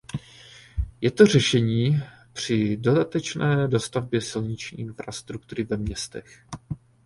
Je to řešení při dodatečné dostavbě silniční infrastruktury ve městech.